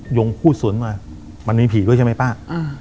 ยงพูดสวนมามันมีผีด้วยใช่ไหมป้า